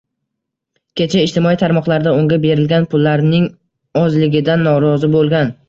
Kecha ijtimoiy tarmoqlarda unga berilgan pullarning ozligidan norozi boʻlgan